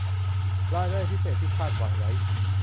รายได้พิเศษที่คาดหวังไว้